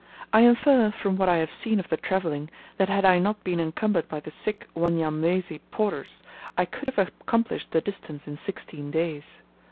I infer, from what I have seen of the travelling, that had I not been encumbered by the sick Wanyamwezi porters, I could have accomplished the distance in sixteen days.